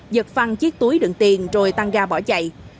giật phăn chiếc túi đựng tiền rồi tăng ra bỏ chạy